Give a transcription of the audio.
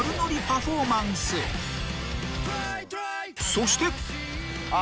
［そして］あ。